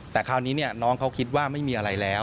แต่คราวนี้น้องเขาคิดว่าไม่มีอะไรแล้ว